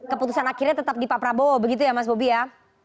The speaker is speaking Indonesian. keputusan akhirnya tetap di pak prabowo begitu ya mas bobi ya